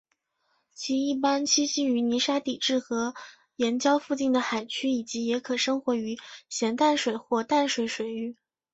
其一般栖息于泥沙底质和岩礁附近的海区以及也可生活于咸淡水或淡水水域。